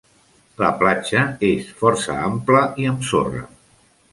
La platja és força ampla i amb sorra.